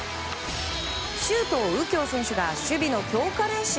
周東佑京選手が守備の強化練習。